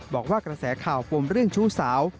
บอกว่ากระแสข่าวปมเรื่องชู้สาว